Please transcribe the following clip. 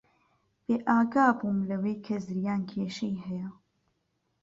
بێئاگا بووم لەوەی کە زریان کێشەی هەیە.